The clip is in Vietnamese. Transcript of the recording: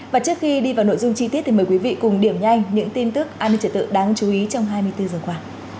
và trước khi đi vào nội dung chi tiết thì mời quý vị cùng điểm nhanh những tin tức an ninh trở tự đáng chú ý trong hai mươi bốn giờ qua